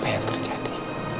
apa yang terjadi